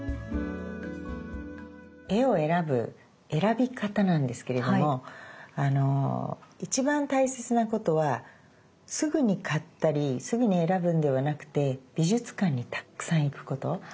絵を選ぶ選び方なんですけれども一番大切なことはすぐに買ったりすぐに選ぶんではなくて美術館にたくさん行くこと。